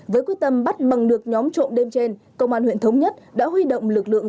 với quyết tâm bắt bằng được nhóm trộm đêm trên công an huyện thống nhất đã huy động lực lượng